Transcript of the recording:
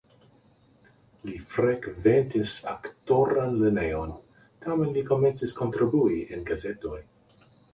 Li frekventis aktoran lernejon, tamen li komencis kontribui en gazetoj.